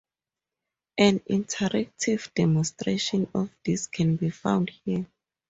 An interactive demonstration of this can be found here.